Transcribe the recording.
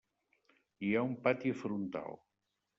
Hi ha un pati frontal.